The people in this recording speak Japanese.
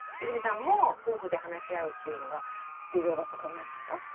泉さんも夫婦で話し合うっていうのが重要だと考えますか？